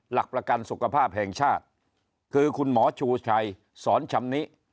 หลักประกันสุขภาพแห่งชาติคือคุณหมอชูชัยสอนชำนิ